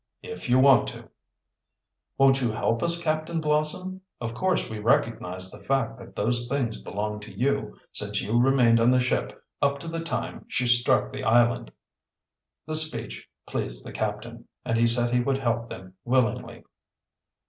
"If you want to." "Won't you help us, Captain Blossom? Of course, we recognize the fact that those things belong to you, since you remained on the ship up to the time she struck the island." This speech pleased the captain, and he said he would help them willingly.